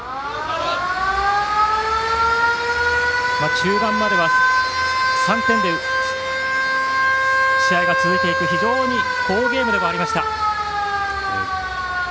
中盤までは３点差で試合が続いていく非常に好ゲームでもありました。